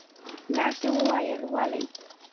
نرسې وویل: ولې؟